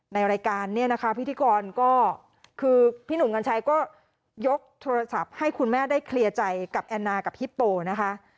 ในรายการเนี่ยนะคะพิธีกรก็คือพี่หนุ่มกัญชัยก็ยกโทรศัพท์ให้คุณแม่ได้เคลียร์ใจกับแอนนากับฮิปโปนะคะ